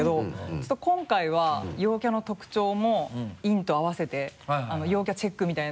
ちょっと今回は陽キャの特徴も陰と合わせて陽キャチェックみたいな。